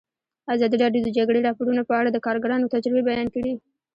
ازادي راډیو د د جګړې راپورونه په اړه د کارګرانو تجربې بیان کړي.